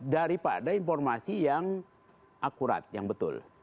daripada informasi yang akurat yang betul